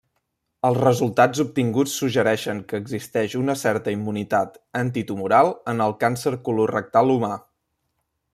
Els resultats obtinguts suggereixen que existeix una certa immunitat antitumoral en el càncer colorectal humà.